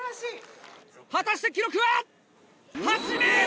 果たして記録は！